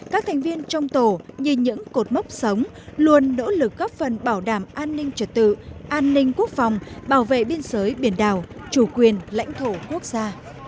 các thành viên trong tổ như những cột mốc sống luôn nỗ lực góp phần bảo đảm an ninh trật tự an ninh quốc phòng bảo vệ biên giới biển đảo chủ quyền lãnh thổ quốc gia